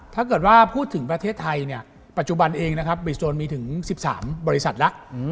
ถ้าเกิดว่าพูดถึงประเทศไทยปัจจุบันเองบริโซนมีถึง๑๓บริษัทแล้ว